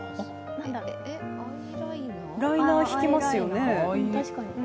ライナー引きますよね。